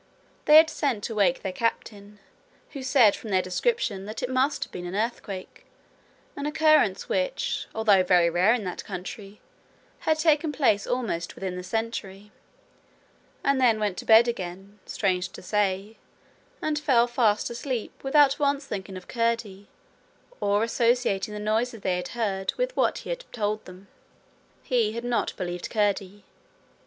They had sent to wake their captain, who said from their description that it must have been an earthquake, an occurrence which, although very rare in that country, had taken place almost within the century; and then went to bed again, strange to say, and fell fast asleep without once thinking of Curdie, or associating the noises they had heard with what he had told them. He had not believed Curdie.